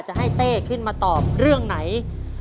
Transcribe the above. จะให้เต้ขึ้นมาตอบเรื่องไหน